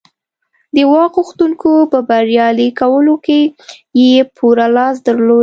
د واک غوښتونکو په بریالي کولو کې یې پوره لاس درلود